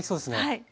はい。